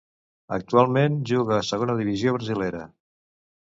Actualment juga a Segona divisió brasilera.